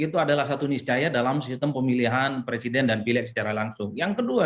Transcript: itu adalah satu niscaya dalam sistem pemilihan presiden dan pilek secara langsung yang kedua